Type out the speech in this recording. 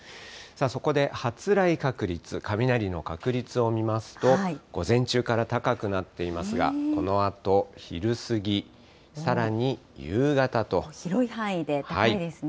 そこで発雷確率、雷の確率を見ますと、午前中から高くなっていますが、このあと昼過ぎ、広い範囲で高いですね。